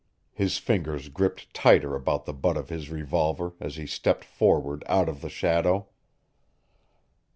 His fingers gripped tighter about the butt of his revolver as he stepped forward out of the shadow.